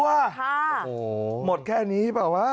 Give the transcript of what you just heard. ห้าโอโหเหมือนหมดแค่นี้ไปวะ